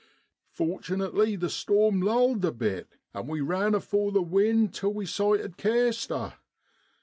Fortunately the storm lulled a bit, and we ran afore the wind till we sighted Caister.